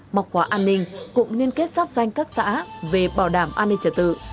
mọc hóa an ninh cũng liên kết sắp danh các xã về bảo đảm an ninh trật tự